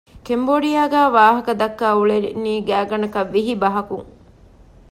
ކެމްބޯޑިއާގައި ވާހަކަ ދައްކަ އުޅެނީ ގާތްގަނޑަކަށް ވިހި ބަހަކުން